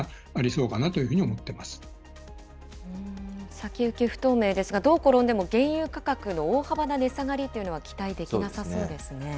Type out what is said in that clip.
先行き不透明ですが、どう転んでも、原油価格の大幅な値下がりというのは期待できなさそうですね。